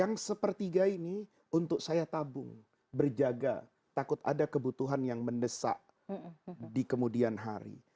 yang sepertiga ini untuk saya tabung berjaga takut ada kebutuhan yang mendesak di kemudian hari